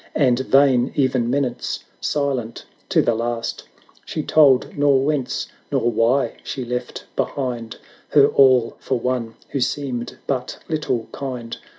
And vain e'en menace — silent to the last; She told nor whence, nor why she left behind Her all for one who seemed but little kind.